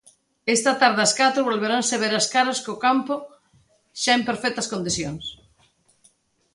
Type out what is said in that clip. Esta tarde, as catro, volveranse ver as caras, co campo xa en perfectas condicións.